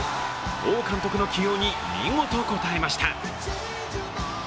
王監督の起用に見事、応えました。